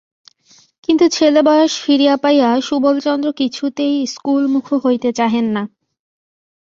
কিন্তু ছেলেবয়স ফিরিয়া পাইয়া সুবলচন্দ্র কিছুতেই স্কুলমুখো হইতে চাহেন না।